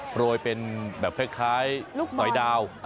โรยเป็นแบบคล้ายลูกสอยดาว